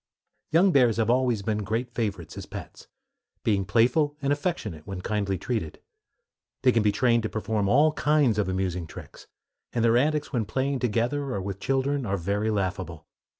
Young bears have always been great favorites as pets, being playful and affectionate when kindly treated. They can be trained to perform all kinds of amusing tricks; and their antics when playing together or with children are very laughable.